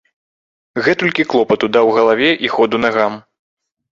Гэтулькі клопату даў галаве і ходу нагам.